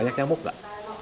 banyak yang mau enggak